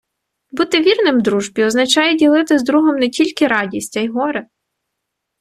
Бути вірним дружбі —означає ділити з другом не тільки радість, а й горе